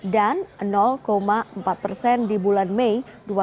dan empat persen di bulan mei dua ribu dua puluh dua